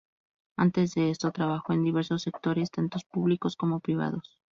Antes de eso, trabajó en diversos sectores tantos públicos como privados.